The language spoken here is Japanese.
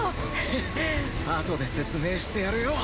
ヘッあとで説明してやるよ。